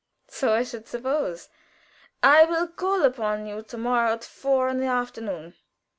"So I should suppose. I will call upon you to morrow at four in the afternoon.